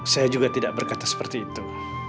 saya juga tidak berkata seperti itu